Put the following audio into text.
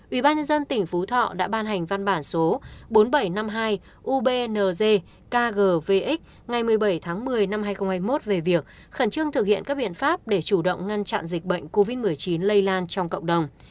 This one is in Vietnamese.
ubnd tỉnh phú thọ đã ban hành văn bản số bốn nghìn bảy trăm năm mươi hai ubnz kgvx ngày một mươi bảy tháng một mươi năm hai nghìn hai mươi một về việc khẩn trương thực hiện các biện pháp để chủ động ngăn chặn dịch bệnh covid một mươi chín lây lan trong cộng đồng